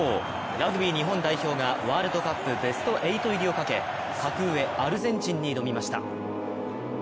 ラグビー日本代表がワールドカップベスト８入りをかけ格上・アルゼンチンに挑みました。